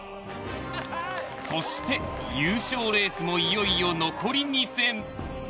そして優勝レースもいよいよ残り２戦。